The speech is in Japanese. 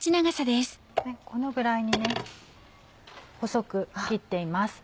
このぐらいに細く切っています。